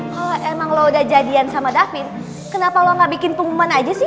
kalau emang lo udah jadian sama david kenapa lo gak bikin pengumuman aja sih